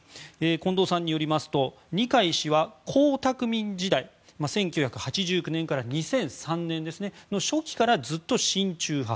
近藤さんによりますと二階氏は江沢民時代１９８９年から２００３年の初期からずっと親中派。